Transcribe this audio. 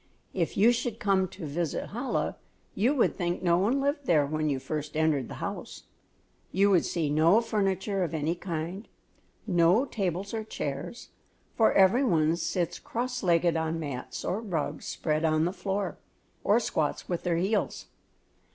If you should come to visit Chola, you would think no one lived there when you first entered the house. You would see no furniture of any kind, no tables or chairs, for every one sits cross legged on mats or rugs spread on the floor, or squats on their heels.